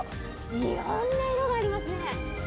いろんな色がありますね。